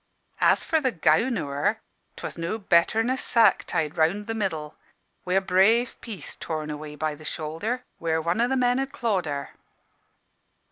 As for the gown o' her, 'twas no better'n a sack tied round the middle, wi' a brave piece torn away by the shoulder, where one o' the men had clawed her.